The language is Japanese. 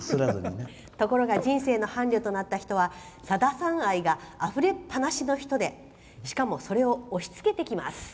ところが人生の伴侶となった人はさださん愛があふれっぱなしの人でしかもそれを押しつけてきます。